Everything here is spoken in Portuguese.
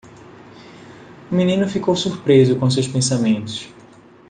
O menino ficou surpreso com seus pensamentos.